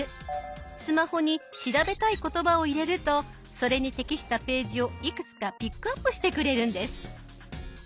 スマホに調べたい言葉を入れるとそれに適したページをいくつかピックアップしてくれるんです。